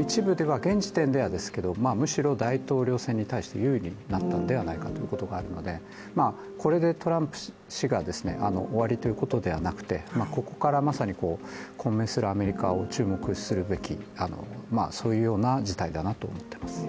一部では、現時点ではですけど、むしろ大統領選に対して有利になったのではないかということがあるのでこれでトランプ氏が終わりということではなくてここからまさに混迷するアメリカを注目するべき、そういうような事態だなと思っています。